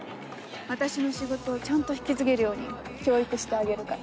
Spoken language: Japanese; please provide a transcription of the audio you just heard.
私の仕事をちゃんと引き継げるように教育してあげるから。